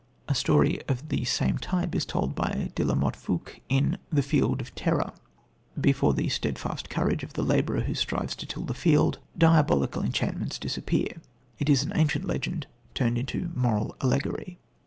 A story of the same type is told by De La Motte Fouqué in The Field of Terror. Before the steadfast courage of the labourer who strives to till the field, diabolical enchantments disappear. It is an ancient legend turned into moral allegory.